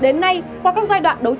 đến nay qua các giai đoạn đấu tranh